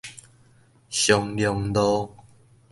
松隆路